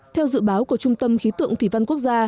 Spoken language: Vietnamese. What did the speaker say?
theo dự báo của trung tâm khí tượng thủy văn quốc gia